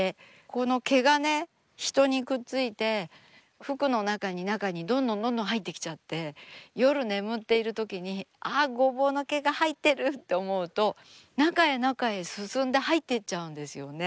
この毛がね人にくっついて服の中に中にどんどんどんどん入ってきちゃって夜眠っているときにあっごぼうの毛が入ってるって思うと中へ中へ進んで入っていっちゃうんですよね。